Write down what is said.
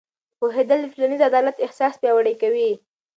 پوهېدل د ټولنیز عدالت احساس پیاوړی کوي.